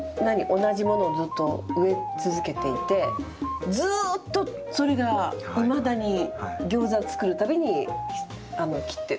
同じものをずっと植え続けていてずっとそれがいまだにギョーザ作るたびに切って。